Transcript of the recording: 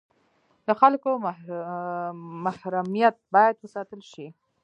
د خلکو محرمیت باید وساتل شي